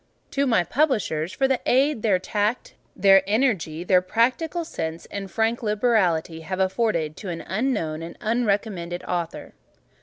To my Publishers, for the aid their tact, their energy, their practical sense and frank liberality have afforded an unknown and unrecommended Author.